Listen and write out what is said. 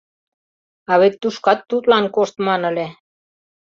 А вет тушкат тудлан коштман ыле.